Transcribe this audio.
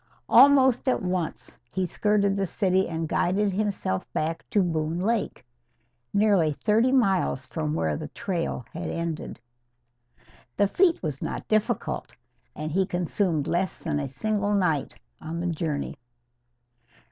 Almost at once he skirted the city and guided himself back to Boone Lake, nearly thirty miles from where the trail had ended. The feat was not difficult, and he consumed less than a single night on the journey.